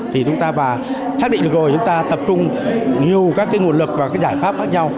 thì chúng ta và xác định được rồi chúng ta tập trung nhiều các cái nguồn lực và cái giải pháp khác nhau